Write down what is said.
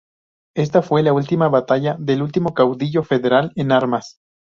Esta fue la última batalla del último caudillo federal en armas.